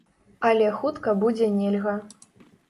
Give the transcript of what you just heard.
Але хутка будзе нельга.